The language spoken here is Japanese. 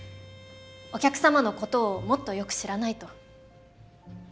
お客様のことをもっとよく知らないと。